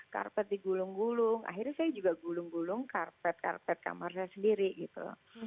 karpet digulung gulung akhirnya saya juga gulung gulung karpet karpet kamar saya sendiri gitu